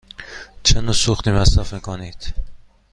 چه نوع سوختی مصرف می کند؟